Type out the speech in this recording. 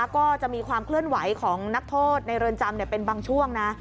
ก็จะมีความเคลื่อนไหวของนักโทษในเรือนจำเป็นบางช่วงนะ